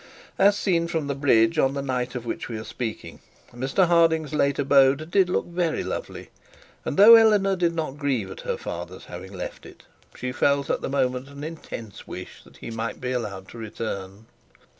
As seen from the bridge on the night of which we are speaking, Mr Harding's late abode did look very lovely; and though Eleanor did not grieve at her father's having left it, she felt at the moment an intense wish that he might be allowed to return.